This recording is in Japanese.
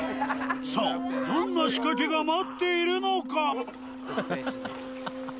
さぁどんな仕掛けが待っているのか？